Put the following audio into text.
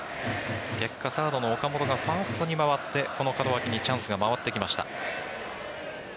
結果、サードの岡本がファーストに回ってこの門脇にチャンスが回ってきました。